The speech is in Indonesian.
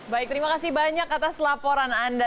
baik terima kasih banyak atas laporan anda